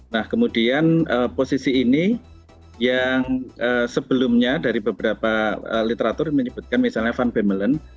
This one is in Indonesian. nah kemudian posisi ini yang sebelumnya dari beberapa literatur menyebutkan misalnya van vemelan